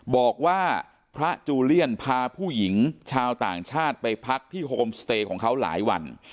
บอกว่าพระจูเลียนพาผู้หญิงชาวต่างชาติไปพักที่โฮมสเตย์ของเขาหลายวัน